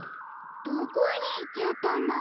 どこにいっちゃったんだろ？